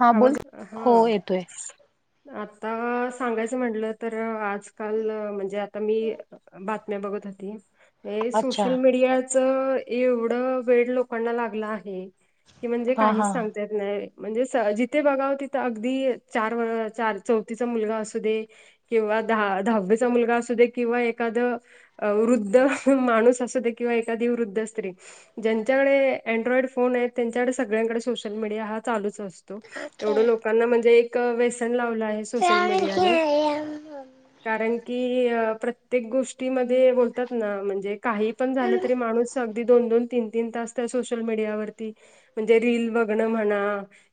हा बोल आवाज हा हो येतोय. आता सांगायचं म्हटलं तर आजकाल म्हणजे आता मी. बातम्या बघत होती अच्छा सोशल मीडिया. एवढ वेळ लोकांना लागला आहे. की म्हणजे हा काही हा सांग नाही म्हणजे जिथे बघाव तिथं अगदी चार चार चौथीचा मुलगा असू दे किंवा दहा दहावीचा मुलगा असू दे किंवा एखादं अ वृद्ध माणूस असू दे किंवा एखादी वृद्ध स्त्री ज्यांच्याकडे अँड्रॉइड फोन आहेत त्यांच्याकडे सगळ्यांकडे सोशल मीडिया हा चालूच असतो एवढं लोकांना म्हणजे एक व्यसन लावलं आहे. सोशल मीडियाने- कारण की प्रत्येक गोष्टी म बोलतात ना म्हणजे काही पण झालं तरी माणूस. अगदी दोन दोन तीन तीन तास सोशल मीडियावरती म्हणजे रील बघण म्हणा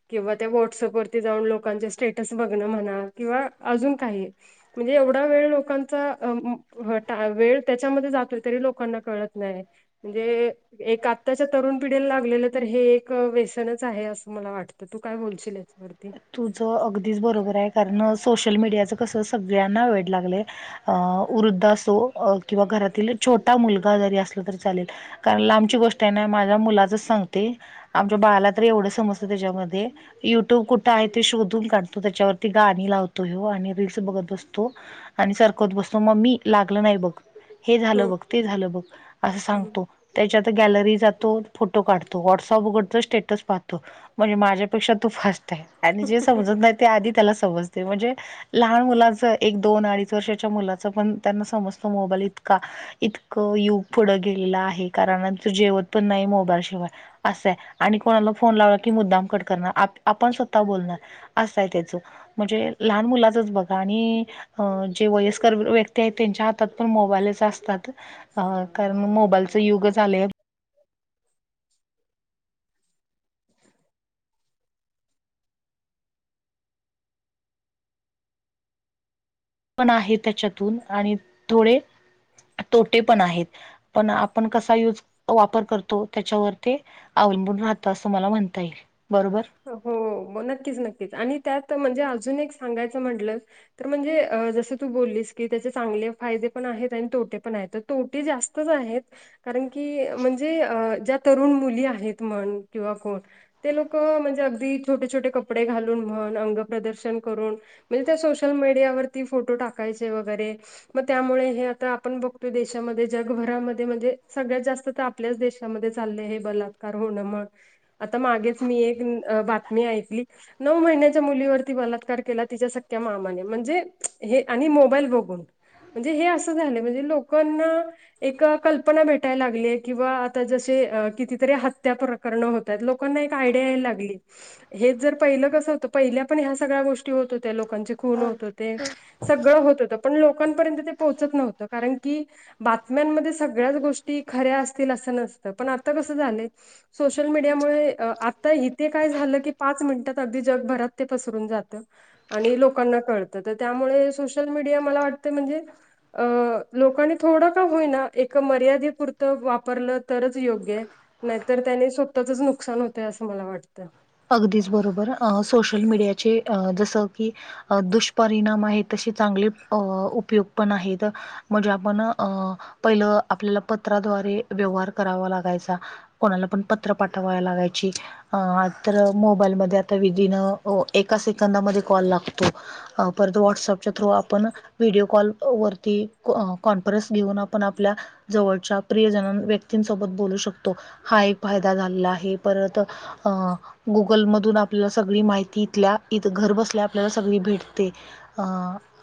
किंवा त्या व्हॉटसअप वरती जाऊन लोकांचे स्टेटस बघणं म्हणा किंवा अजून काही म्हणजे एवढा वेळ लोकांचा वेळ त्याच्यामध्ये जातोय तरी लोकांना कळत नाही. म्हणजे एक आत्ताच्या तरुण पिढीला लागलेलं तर हे एक व्यसनच आहे. असं मला वाटत तू काय बोलशील याच्यावरती तुझं अगदीच बरोबर आहे कारण सोशल मीडियाचं कसं सगळ्यांना वेड लागलं अ वृद्ध असो किंवा घरातील छोटा मुलगा जरी असला तरी चालेल कारण लांबची गोष्ट आहे ना माझ्या मुलाचच सांगते. आमच्या बाळाला तर एवढं समजत. त्याच्यामध्ये युट्यूब कुठे आहे. ते शोधून काढतो त्याच्यावरती गाणी लावतो ह आणि रीलस बघत बसतो आणि सरकत बसतो. मग मी लागलं नाही बघ हे हो झालं बघ ते झालं बघ असं हम्म. सांगतो. त्याच्यात गॅलरी जातो. फोटो काढतो व्हॉट्सअप उघडतो स्टेटस पाहतो म्हणजे माझ्यापेक्षा तू फास्ट आहे. आणि जे समजत नाही ते आधी त्याला समजते म्हणजे लहान मुलाचं एक दोन अडीच वर्षाच्या मुलाचं पण त्यांना समजतो मोबाईल इतका इतकं युग पुढं गेलेलं आहे कारण तू जेवत पण नाही. मोबाईल शिवाय असं आणि कोणाला फोन लावला. की मुद्दाम कट करणार आपण स्वतः बोलणार असाय त्याच म्हणजे लहान मुलाचच बघा आणि अ जे वयस्कर व्यक्ती आहेत त्यांच्या हातात पण मोबाईलच असतात. अ कारण मग मोबाईलच युग आलेय [unintelligible] पण आहे त्याच्यातून आणि थोडे तोटे पण आहेत पण आप आपण कसा युज वापर करतो त्याच्यावर ते अवलंबून राहत असं मला म्हणता येईल बरोबर हो नक्कीच नक्कीच आणि त्यात म्हणजे अजून एक सांगायचं म्हंटलं तर म्हणजे जसं तू बोललीस की त्याचे चांगले फाये पण आहेत आणि तोटे पण आहेत. तोटी जास्तच आहेत. कारण की म्हणजे ज्या तरुण मुली आहेत. म्हण किंवा कोण ते लोक ल म्हणजे अगदी छोटे छोटे कपडे घालून म्हण अंग प्रदर्शन करून म्हणजे त्या सोशल मीडियावरती फोटो टाकायचे वगैरे मग त्यामुळे हे आता आपण बघतोय देशामध्ये जगभरामध्ये म्हणजे सगळ्यात जास्त आपल्या देशमध्ये चाल बलाकार हो आता मागेच मी एक बातमी ऐकली नऊ महिन्याच्या मुलीवरती बलात्कार केला तिच्या सख्या मामाने म्हणजे हे आणि मोबाईल बघून म्हणजे हे असं झालं म्हणजे लोकांना एक कल्पना भेटायला लागली आहे किंवा आता जसे कितीतरी हत्या प्रकरणं होतात लोकांना आयडिया यायला लागली हेच जर पहिलं कसं होतं पहिल्या पण ह्या सगळ्या गोष्टी होत त्या लोकांचे खून होत ते सगळं होत होत पण लोकांपर्यंत ते पोहोचत नव्हतं कारण की बातम्यांमध्ये सगळ्याच गोष्टी खऱ्या असतील असं नसतं पण आता कसं झालं सोशल मीडियामुळे आता इथे काय झालं की पाच मिनिटात अगदी जगभरात ते पसरून जातं आणि लोकांना कळतं तर त्यामुळे सोशल मीडिया मला वाटते म्हणजे अ लोकांनी थोडं का होईना एक मर्यादेपुरतं वापरलं तरच योग्य आहे. नाहीतर त्याने स्वतःचच नुकसान होत. असं मला वाटतं अगदीच बरोबर सोशल मीडियाचे जसं की अ दुष्परिणाम आहेत तसे चांगले अ उपयोग पण आहेत. म्हणजे आपण अ पहिलं आपल्याला पत्राद्वारे व्यवहार करावा लागायचा. कोणाला पण पत्र पाठवाय लागायची अ तर मोबाईलमध्ये आता विदिन अ एका सेकंदामध्ये कॉल लागतो परत वटसएअपच्या थ्रू आपण व्हिडिओ कॉल वरती कॉन्फरन्स घेऊन आपण आपल्या जवळच्या प्रियजन व्यक्तींसोबत बोलू शकतो हा एक फायदा झाला आहे परत अं गुगल मधून आपल्याला सगळी माहिती इथल्या इथ घर बसल्या आपल्याला सगळी भेटते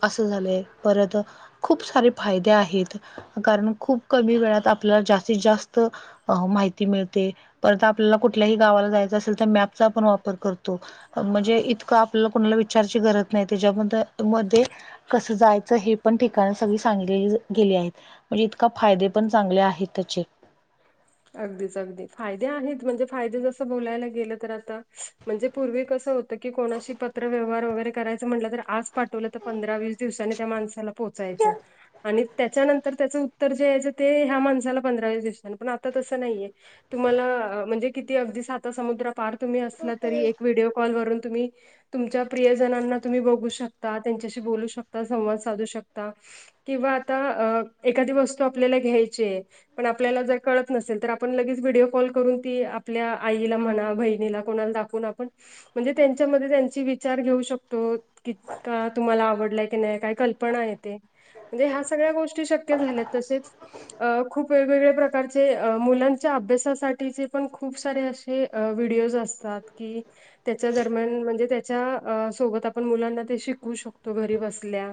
असं झालं परत खूप सारे फायदे आहेत कारण खूप कमी वेळात आपल्याला जास्तीत जास्त आपल्याला कुल्या गवाे रतो म्हणजे इतक आपल्याला कोणाला विचारची गरज नाही त्याच्या मध्ये कसं जायचं हे पण ठिकाणी सगळी सांगली गेली आहेत म्हणजे इतका फायदे पण चांगले आहेत त्याचे अगदीच अगदी फायदे आहेत म्हणजे फायदे जसं बोलायला गेलं तर आता म्हणजे पूर्वी कसं होत क कोणा पत्र व्यवहार वगैरे करायचं म्हटलं तर आज पाठवलं तर पंधरा वीस दिवसाांनी त्या माणसाला पोहचायचं आणि त्याच्यानंतर त्याचं उत्तर जे यायचं ते ह्या माणसाला पंधरा वस दिसतना पण आता तसं नाहीय तुम्हाला म्हणजे किती अगदी साता समुद्र पार तुम्ही असला तरी एक व्हिडिओ कॉल वरून तुम्ही तुमच्या प्रियजनांना तुम्ही बघू शकता त्यांच्याशी बोलू शकता संवाद साधू शकता किंवा आता एखादी वस्तू आपल्याला घ्यायचे पण आपल्याला जर कळत नसेल तर आपण लगेच व्हिडिओ कॉल करून ती आपल्या आईला म्हणा बहिणीला कोणाला दाख ण त्यांच्या विचार घेऊ शकतो कका तुम्हाला आवडलाय की नाही काय कल्पना आहे ते म्हणजे ह्या सगळ्या गोष्टी शक्य झाल्यात तसेच अ खूप वेगवेगळ्या प्रकारचे मुलांच्या अभ्यासासाठीचे पण खूप सारे अस वडओ असतात क त्याच्या दरम्यान म्हणजे सोबत आपण मुलांना शिकू शकतो घरी बसल्या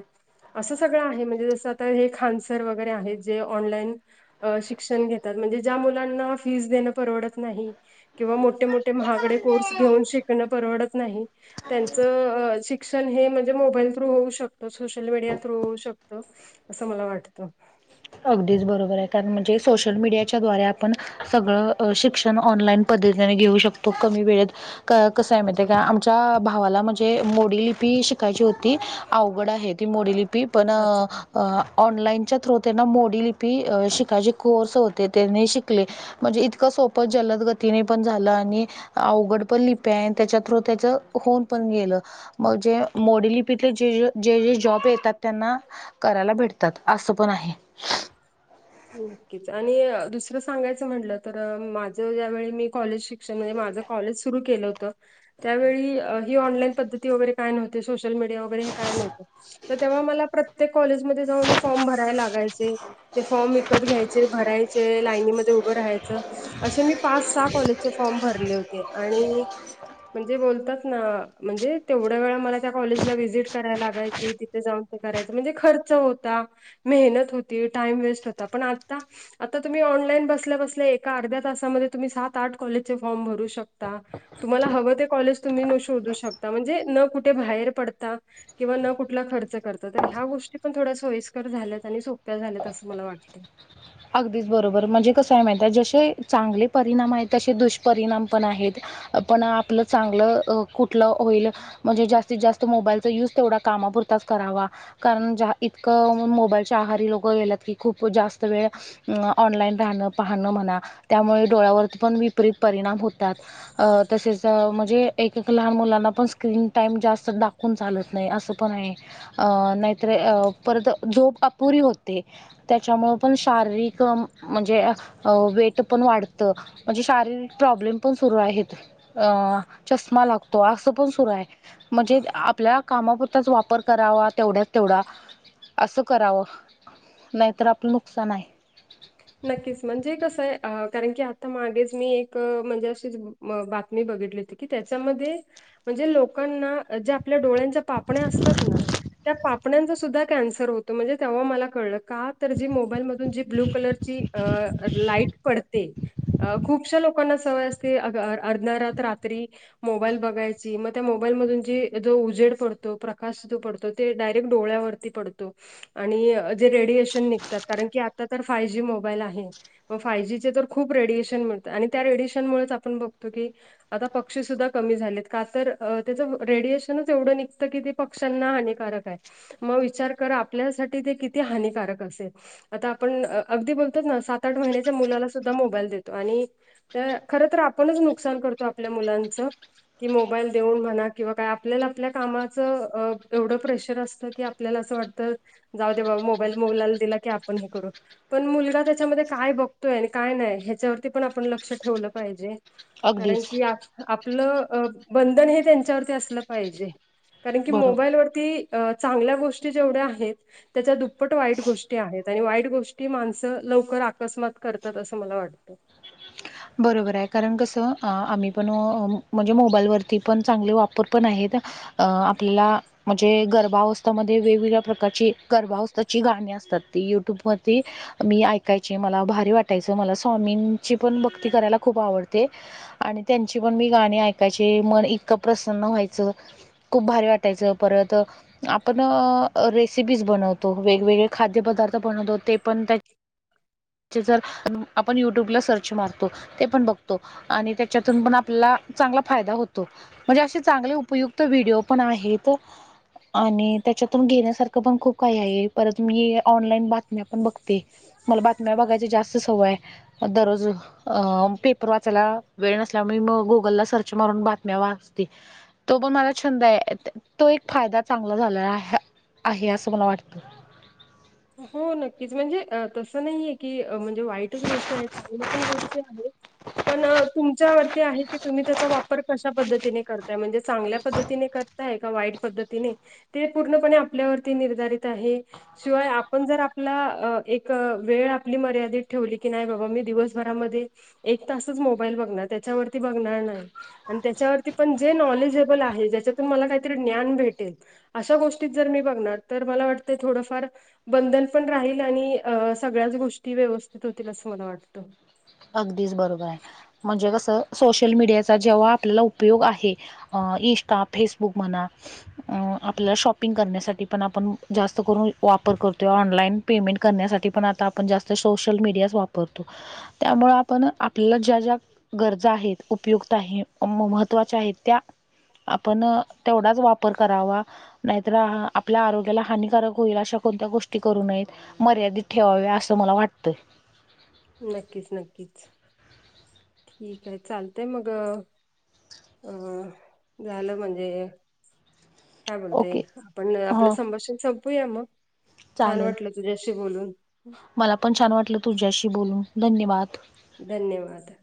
असं सगळं आहे म्हणजे जसं आता हे खानसर वगैरे आहे जे ऑनलाईन अ शिक्षण घेतात म्हणजे ज्या मुलांना फीज देणं परवडत नाही किंवा मोठे मोठे महागडे कोर्स घेऊन शिकण परवडत नाही त्यांचं शिक्षण हे म्हणजे मोबाईल थ्रू होऊ शकतं सोशल मीडिया थ्रू होऊ शकतं असं मला वाटतं अगदीच बरोबर आहे कारण म्हणजे सोशल मीडियाच्या दवारे आपण सगळं शिक्षण ऑनलाईन पद्धतीने घेऊ शकतो कमी वेळेत कसं आहे म्हण का आमच्या भावाला म्हणजे मोडी लिपी शिकायची होती अवघड आहे ती मोडी लिपी पण अच्छा ऑनलाईनच्या थ्र त्यांना मोडी लिपी शिकायचे कोर्स होते त्यांनी शिकले म्हणजे इतकं सोपं जलद गतीने पण झालं आणि अवघड पण लिप्या त्याच्या थ्रू त्याच होऊन पण गेलं मग जे मोडलिपीतले ज जे जे जॉब येतात त्यांना करायला भेटतात असं पण आहे नक्कीच आणि दुसरं सांगायचं म्हटलं तर माझ ज्यावेळी मी ण मा क के त्या ह ऑनलाई पद्धती वगैरे काय नव्ह सोशल मीडिया वगर हे काय नवतं तर तेव्हा मला प्रत्येक कॉलेजमध्ये जाऊन फॉर्म भरायला लागायचे ते फॉर्म विकत घ्यायचे भरायचे लाईनीमध्ये उभं राहायचं असे मी पाच सहा कॉलेजचे फॉर्म भरले होते आणि म्हणजे बोलतात ना म्हणजे तेवढ्या वेळा मला त्या कॉलेजला व्हिजिट कराय लागायची तिथे जाऊन करायच म्हणजे खर्च होता मेहनत होती टाईम वेस्ट होता पण आता आता तुम्ही ऑनलाईन बसल्या बसल्या एका अर्ध्या तासामध्ये तुम्ही सात आठ कॉलेजचे फॉर्म भरू शकता तुम्हाला हवं ते कॉलेज तुम्ही शोधू शकता म्हणजे न कुठे बाहेर पडता किंवा न कुठला खर्च करत तर ह्या गोष्टी पण थोड्या सोयीस्कर झाल्यात आणि सोप्या झाल्यात असं मला वाटत [inaudible] अगदीच बरोबर म्हणजे कसं आहे माहित आहे जसे चांगले परिणाम आहेत तसे दुष्परिणाम पण आहेत पण आपलं चांगलं कुठलं होईल म्हणजे जास्तीत जास्त मोबाईलचा युज तेवढा कामापुरताच करावा कारण इतकं मोबाईलच्या आहारी लोक गेल्यात की खूप जास्त वेळ अ ऑनलाईन राहणं पाहणं म्हणा त्यामुळे डोळ्यावरती पण विपरीत परिणाम होतात अ तसेच म्हणजे एक एक लहान मुलांना पण स्क्रीन टाइम जास्त दाखव पण चालत नाही असं पण आहे अ नाहीतर परत झोप अपुरी होते त्याच्यामुंळ पण शारीरिक म्हणजे वेट पण वाढतं म्हणजे शारीरिक प्रॉब्लेम पण सुरू आहेत अ चष्मा लागतो असं पण सुरू आहे म्हणजे आपल्या कामापुरताच वापर करावा तेवढ्याच तेवढा असं करावं नाहीतर आपलं नुकसान आहे नक्कीच म्हणजे कसं आहे कारण की आता मागेच मी एक म्हणजे अशीच बातमी बघितली होती की त्याच्यामध्ये म्हणजे लोकांना ज्या आपल्या डोळ्यांच्या पापण्या असतात ना त्या पाप पापण्यांचासुध्दा कॅन्सर होतो म्हणजे तेव्हा मला कळल का तर मोबाईल मधून जी ब्ल्यू कलरची लाईट पडते अ खूपश्या लोकांना सवय असते अर्धरात रात्री मोबाईल बघायची मग त्या मोबाईल मधून जी जो उजेड पडतो प्रकाश जो पडतो ते डायरेक्ट डोळ्यावर वरती पडतो आणि जे रेडिएशन निघतात कारण की आता तर फाय जी मोबाईल आहे मग फाय जीचे तर खूप रेडिएशन मिळत आणि त्या रेडिएशनमुळेच आपण बघतो की आता पक्षीसद्धा कमी झालेत का तर त्याचं रेडिएशनच एवढं निघतं की पक्ष्यांना हानिकारक आहे मग विचार करा आपल्यासाठी ते किती हानिकारक असेल आता आपण अगदी बघतो ना सात आठ महिन्याच्या मुलाला सुद्धा मोबाईल देतो आणि तर खर तर आपणच नुकसान करतो आपल्या मुलांचं कि मोबाईल देऊन म्हणा किंवा काय आपल्याला आपल्या कामाचं एवढं प्रेशर असतं की आपल्याला असं वाटतं जाऊ दे बाबा मोबाईल मोला दिला की आपण हे करू पण मुलगा त्याच्यामध्ये काय बघतोय आणि काय नाही ह्याच्यावरती पण आपण लक्ष ठेवलं पाहिजे कारण अगदीच की आपलं बंधन हे त्यांच्यावरती असलं पाहिजे कारण की बरोबर मोबाईलवर ती चांगल्या गोष्टी जेवढ्या आहेत त्याच्या दुप्पट वाईट गोष्टी आहेत आणि वाईट गोष्टी माणसं लवकर आकस्मात करतात असं मला वाटतं बरोबर आहे कारण कसं आम्ही पण म्हणजे मोबाईलवरती पण चांगले वापर पण आहेत अ आपल्याला म्हणजे गर्भावस्थामध्ये वेगवेगळ्या प्रकारची गर्भावस्थेची गाणी असतात ती युट्यूब वरती मी ऐकायचे मला भारी वाटायचं मला स्वामींची पण भक्ती करायला खूप आवडते आणि त्यांची पण मी गाणी ऐकायची मन इतकं प्रसन्न व्हायचं खूप भारी वाटायचं परत आपण रेसिपीज बनवतो वेगवेगळे खाद्य पदार्थ बनवतो ते पण त्या [inaudible] त्याचे जर आपण युट्यूबला सर्च मारतो ते पण बघतो आणि त्याच्यातून पण आपल्याला चांगला फायदा होतो म्हणजे अशे चांगले उप उपयुक्त व्हिडिओ पण आहेत आणि त्याच्यातून घेण्यासारखं पण खूप काही आहे परत मी ऑनलाईन बातम्या पण बघते मला बातम्या बघायच जास्त सवय आहे दररोज अ पेपर वाचायला वेळ नसल्यामुळे मग गुगल सर्च मून बातम्या वा तो पण मला छंद तो एक फायदा चांगला झालेला आहे आहे असं मला वाटतं हो नक्कीच म्हणजे तसं नाही आहे क म्हणजे वाईटच गोष्ट आहे चांगल्या पण गोष्टी आहे पण तुमच्यावरती आहे तुम्ही त्याचा वापर कशा पद्धतीने करताय म्हणजे चांगल्या पद्धतीने करताय का वाईट पद्धतीने ते पूर्णपणे आपल्यावरती निर्धारित आहे शिवाय आपण जर आपला एक वेळ आपली मर्यादित ठेवली की नाही बाबा मी दिवसभरामध्ये एक तासच मोबाईल बघणार त्याच्यावरती बघणार नाही आणि त्याच्यावरती पण जे नॉलेजेबल आहे ज्याच्यातून मला काहीतरी ज्ञान भेटेल अशा गोष्टीत जर मी बघणार तर मला वाटतं थोडंफार बंधन पण राहील आणि सगळ्याच गोष्टी व्यवस्थित होतील असं मला वाटतं अगदीच बरोबर आहे म्हणजे कसं सोशल मीडियाचा जेव्हा आपल्याला उपयोग आहे इन्स्टा फेसबुक म्हणा आपल्याला शॉपिंग करण्यासाठी पण आपण जास्त करून वापर करतोय ऑनलाइन पेमेंट करण्यासाठी पण आता आपण जास्त सोशल मीडियाच वापरतो [unintelligible] त्यामुळं आपण आपलं ज्या ज्या गरजा आहेत उपयुक्त आहे महत्त्वाच्या आहेत त्या आपण तेवढाच वापर करावा नाहीत आपल्या आरोग्याला हानिकारक होईल अशा कोणत्या गोष्टी करू नयेत मर्यादित ठेवावे असं मला वाटतं नक्कीच नक्कीच ठीक आहे चालतय मग अ झालं म्हणजे काय बोलते ओके. आपण आपलं ह संभाषण संपूया मग छान चालेल. वाटलं तुझ्याशी बोलून मला पण छान वाटलं तुझ्याशी बोलून धन्यवाद धन्यवाद